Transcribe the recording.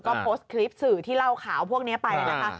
ก็โพสต์คลิปสื่อที่เล่าข่าวพวกนี้ไปนะคะ